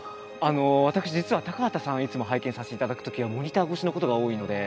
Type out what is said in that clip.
私実は高畑さんをいつも拝見させていただくときはモニター越しのことが多いので。